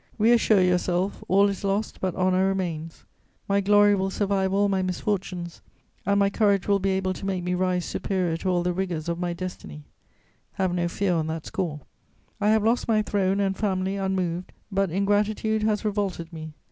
Reassure yourself: all is lost, but honour remains; my glory will survive all my misfortunes, and my courage will be able to make me rise superior to all the rigours of my destiny: have no fear on that score. I have lost my throne and family unmoved; but ingratitude has revolted me.